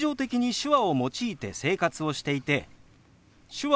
「手話」。